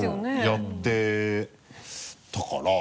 やってたから。